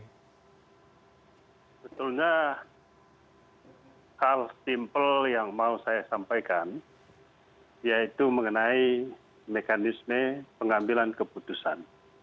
sebetulnya hal simple yang mau saya sampaikan yaitu mengenai mekanisme pengambilan keputusan